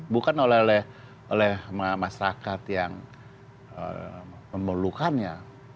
bukan oleh masyarakat yang memerlukannya